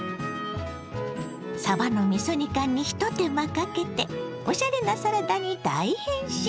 さばのみそ煮缶にひと手間かけておしゃれなサラダに大変身！